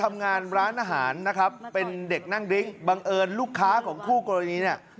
ทำงานร้านอาหารนะครับเป็นเด็กนั่งดริ้งบังเอิญลูกค้าของคู่กรณีเนี่ย